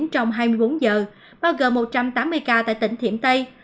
trong hai mươi bốn giờ bao gồm một trăm tám mươi ca tại tỉnh thiểm tây